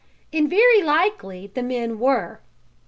And, very likely, the men were.